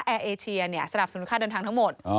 แอร์เอเชียสนับสนุนค่าเดินทางทั้งหมด